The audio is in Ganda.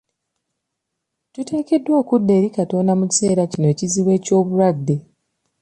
Tuteekeddwa okudda eri Katonda mu kiseera kino ekizibu eky'obulwadde.